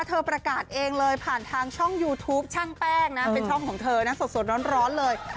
เธอประกาศเองเลยผ่านทางช่องยูทูปช่างแป้งนะเป็นช่องของเธอนะสดร้อนเลย